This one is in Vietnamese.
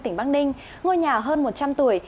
tỉnh bắc ninh ngôi nhà hơn một trăm linh tuổi